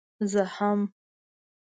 زه هم.